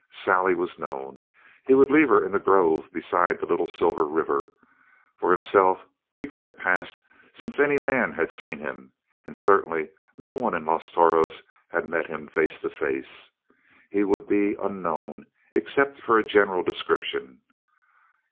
Sally was known; he would leave her in the grove beside the Little Silver River. For himself, weeks had passed since any man had seen him, and certainly no one in Los Toros had met him face to face. He would be unknown except for a general description.